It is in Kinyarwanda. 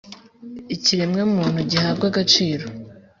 ikiremwamuntu gihabwe agaciro